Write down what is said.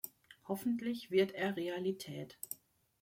Hoffentlich wird er Realität.